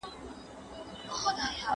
اوس هم راښکاره کېږي څوک د لارې په دېوال